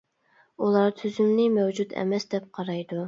ئۇلار تۈزۈمنى مەۋجۇت ئەمەس دەپ قارايدۇ.